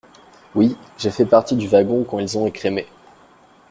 Oui, j’ai fait partie du wagon quand ils ont écrémé.